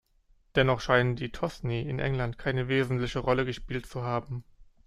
Dennoch scheinen die Tosny in England keine wesentliche Rolle gespielt zu haben.